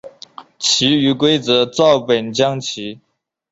其余规则照本将棋。